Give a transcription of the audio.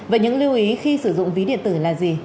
vậy những lưu ý khi sử dụng ví điện tử là gì